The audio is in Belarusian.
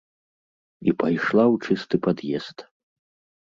І пайшла ў чысты пад'езд.